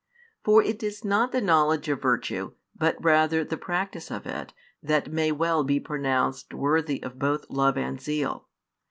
For it is not the knowledge of virtue, but rather the practice of it, that may well be pronounced worthy of both love and zeal.